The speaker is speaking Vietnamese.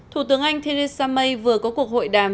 thủ tướng anh theresa may vừa có cuộc hội đàm